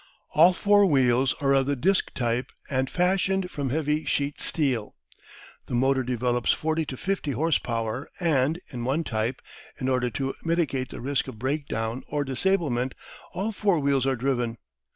All four wheels are of the disk type and fashioned from heavy sheet steel. The motor develops 40 50 horse power and, in one type, in order to mitigate the risk of breakdown or disablement, all four wheels are driven.